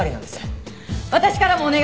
私からもお願いします！